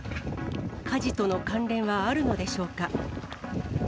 火事との関連はあるのでしょうか。